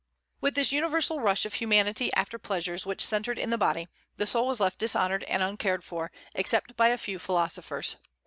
With this universal rush of humanity after pleasures which centred in the body, the soul was left dishonored and uncared for, except by a few philosophers.